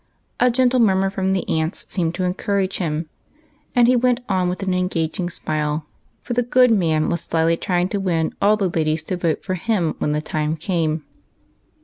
A gentle murmur from the aunts seemed to encourage him, and he went on with an engaging smile, for the good man was slyly trying to win all the ladies to vote for him when the time came.